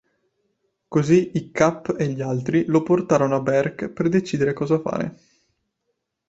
Così Hiccup e gli altri lo portano a Berk per decidere cosa fare.